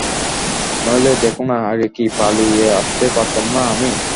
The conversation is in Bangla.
নইলে দ্যাখো না, আগে কি পালিয়ে আসতে পারতাম না আমি?